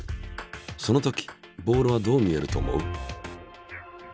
そのときボールはどう見えると思う？